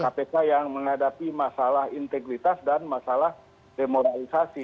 kpk yang menghadapi masalah integritas dan masalah demoralisasi